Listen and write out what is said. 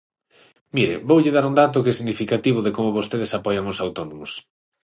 Mire, voulle dar un dato que é significativo de como vostedes apoian os autónomos.